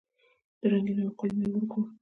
د رنګینو او ښکلو میوو کور.